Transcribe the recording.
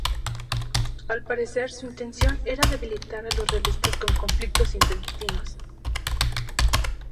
Al parecer, su intención era debilitar a los realistas con conflictos intestinos.